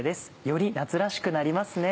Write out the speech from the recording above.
より夏らしくなりますね。